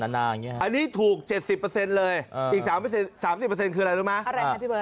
อะไรครับพี่เบิร์ต